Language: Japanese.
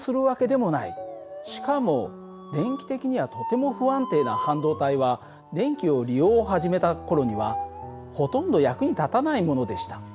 しかも電気的にはとても不安定な半導体は電気を利用を始めた頃にはほとんど役に立たないものでした。